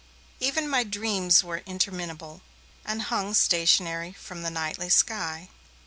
Even my dreams were interminable, and hung stationary from the nightly sky.